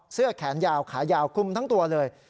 เสื้อแขนยาวขายาวคลุมทั้งตัวเลย